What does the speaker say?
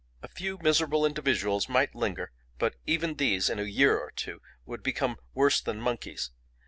A few miserable individuals might linger, but even these in a year or two would become worse than monkeys.